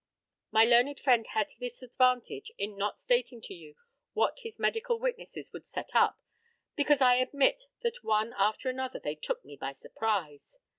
My learned friend had this advantage in not stating to you what his medical witnesses would set up, because I admit that one after another they took me by surprise.